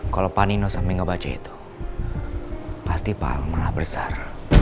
kalau pak nino sampe gak baca itu pasti pak al malah besar